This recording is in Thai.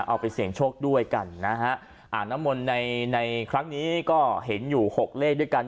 เอาไปเสี่ยงโชคด้วยกันนะฮะอ่างน้ำมนต์ในในครั้งนี้ก็เห็นอยู่หกเลขด้วยกัน